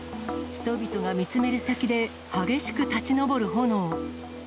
人々が見つめる先で、激しく立ち上る炎。